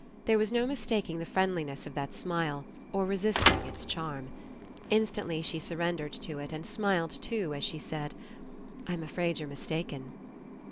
There was no mistaking the friendliness of that smile or resisting Its charm. Instantly she surrendered to it and smiled too, as she said: "I'm afraid you're mis taken."